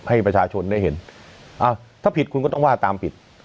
ให้ประชาชนได้เห็นถ้าผิดคุณก็ต้องว่าตามผิด